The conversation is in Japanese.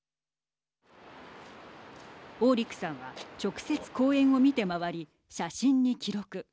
オーリックさんは直接公園を見て回り写真に記録。